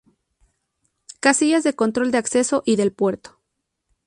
Casillas de control de acceso y del puerto.